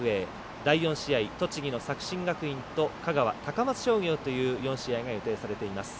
第４試合、栃木の作新学院と香川、高松商業という４試合が予定されています。